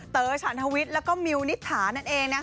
เต๋อฉันทวิทย์แล้วก็มิวนิษฐานั่นเอง